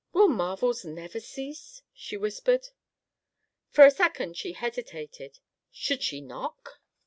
"Will marvels never cease?" she whispered. For a second she hesitated. Should she knock?